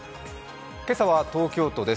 今朝は東京都です